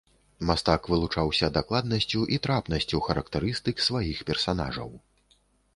Мастак вылучаўся дакладнасцю і трапнасцю характарыстык сваіх персанажаў.